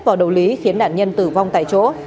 vào đầu lý khiến nạn nhân tử vong tại chỗ